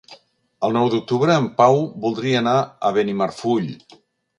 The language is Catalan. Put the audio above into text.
El nou d'octubre en Pau voldria anar a Benimarfull.